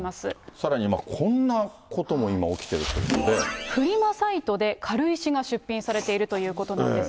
さらにこんなことも今、フリマサイトで軽石が出品されているということなんです。